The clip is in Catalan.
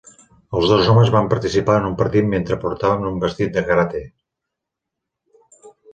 Els dos homes van participar en un partit mentre portaven un vestit de karate.